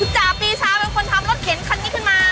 จ่าปีชาเป็นคนทำรถเข็นคันนี้ขึ้นมา